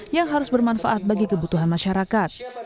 yang harus bermanfaat bagi kebutuhan masyarakat